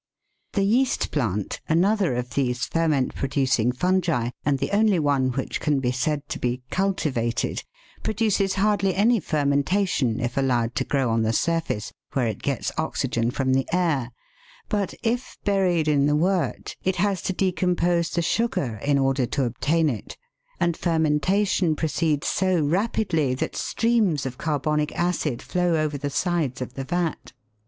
The yeast plant, another of these ferment producing fungi, and the only one which can be said to be "cultivated," produces hardly any fermentation if allowed to grow on the surface, where it gets oxygen from the air, but if buried in the wort, it has to decompose the sugar in order to obtain it, and fermentation proceeds so rapidly that streams of carbonic acid flow over the sides of the vat.